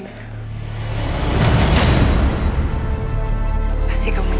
pasti kamu menjelajahkan sesuatu kan